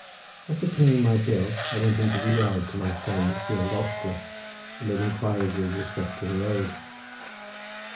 After paying my bill, I went into the yard to my friend the old ostler, to make inquiries with respect to the road.